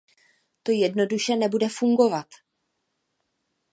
To jednoduše nebude fungovat.